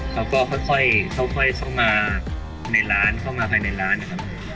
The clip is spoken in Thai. เขาก็ค่อยเข้ามาในร้านเข้ามาภายในร้านนะครับ